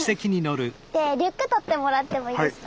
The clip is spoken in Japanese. リュック取ってもらってもいいですか？